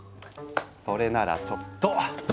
それならちょっと。